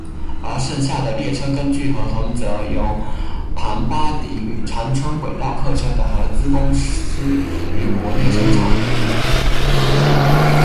而剩下的列车根据合同则由庞巴迪与长春轨道客车的合资公司于国内生产。